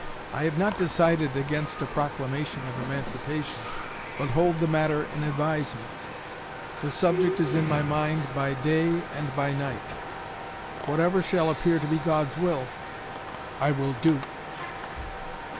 I have not decided against a proclamation of emancipation, but hold the matter in advisement. The subject is in my mind by day and by night. Whatever shall appear to be God's will, I will do."